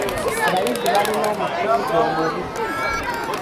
Abayizi balina omusingi omubi.